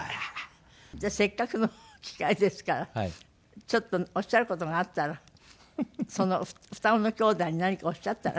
じゃあせっかくの機会ですからちょっとおっしゃる事があったらその双子の兄弟に何かおっしゃったら？